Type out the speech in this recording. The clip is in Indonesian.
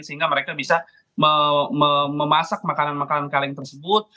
sehingga mereka bisa memasak makanan makanan kaleng tersebut